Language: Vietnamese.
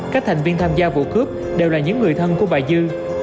các thành viên tham gia vụ cướp đều là những người thân của bà dư